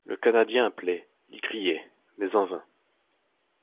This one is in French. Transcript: Le Canadien appelait, il criait, mais en vain.